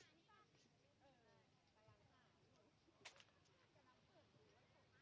สวัสดีครับ